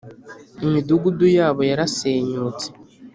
imidugudu yabo yarasenyutse